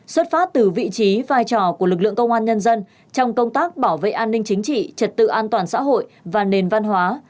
xuất phát từ vị trí vai trò của lực lượng công an nhân dân trong công tác bảo vệ an ninh chính trị trật tự an toàn xã hội và nền văn hóa